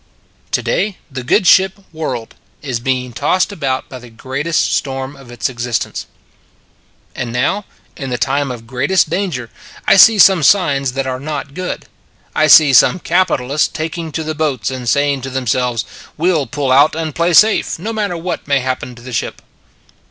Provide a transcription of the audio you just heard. To day the good ship World is being tossed about by the greatest storm of its existence. And now, in the time of greatest dan ger, I see some signs that are not good. I see some capitalists taking to the boats and saying to themselves: "We ll pull out and play safe, no matter what may happen to the ship."